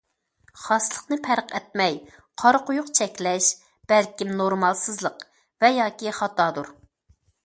خاسلىقنى پەرق ئەتمەي قارا قويۇق چەكلەش بەلكىم نورمالسىزلىق ۋە ياكى خاتادۇر.